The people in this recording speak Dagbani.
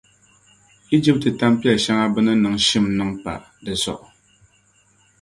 Ijipti tampiɛl’ shɛŋa bɛ ni niŋ shim niŋ pa di zuɣu.